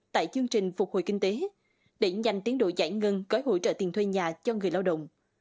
tại chương trình phục hồi kinh tế để nhanh tiến đội giải ngân có hỗ trợ tiền thuê nhà cho người lao động